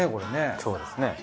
そうですね。